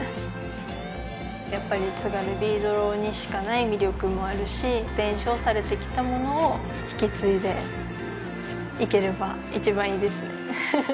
やっぱり津軽びいどろにしかない魅力もあるし伝承されてきたものを引き継いでいければ一番いいですね